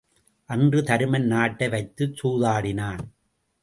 அன்று தருமன் நாட்டை வைத்துச் சூதாடினான்.